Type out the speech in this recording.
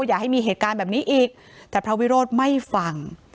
อย่าให้มีเหตุการณ์แบบนี้อีกแต่พระวิโรธไม่ฟัง